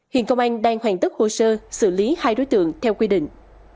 hiện công an đang hoàn tất hồ sơ xử lý hai đối tượng theo quy định